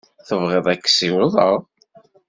Tebɣiḍ ad k-ssiwḍeɣ?